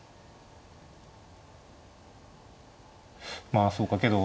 まあそうかけど